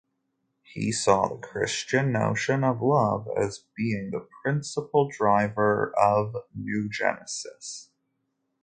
He saw the Christian notion of love as being the principal driver of noogenesis.